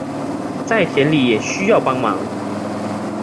在田里也需帮忙